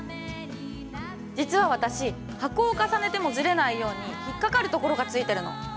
実は私箱を重ねてもずれないように引っかかるところがついてるの。